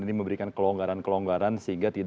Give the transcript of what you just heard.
ini memberikan kelonggaran kelonggaran sehingga